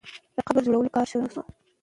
د قبر جوړولو کار شروع سو.